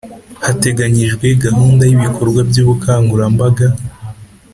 Hateganyijwe gahunda y’ibikorwa by’ubukangurambaga